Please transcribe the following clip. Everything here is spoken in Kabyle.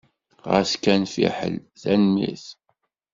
Xas kan fiḥel! Tanemmirt.